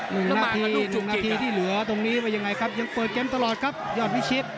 หนึ่งนาทีที่เหลือตรงนี้มันยังไงครับยังเปิดเกมตลอดครับย่อวิชิต